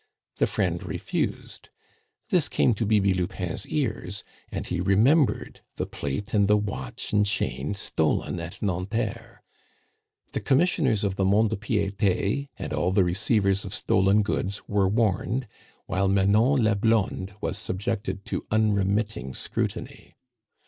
The friend refused. This came to Bibi Lupin's ears, and he remembered the plate and the watch and chain stolen at Nanterre. The commissioners of the Mont de Piete, and all the receivers of stolen goods, were warned, while Manon la Blonde was subjected to unremitting scrutiny.